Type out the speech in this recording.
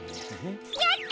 やった。